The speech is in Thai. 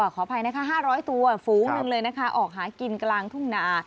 ขออภัยนะคะ๕๐๐ตัวฝูงหนึ่งเลยนะคะออกหากินกลางทุ่งนา